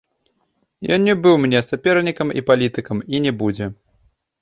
Ён не быў мне сапернікам і палітыкам, і не будзе.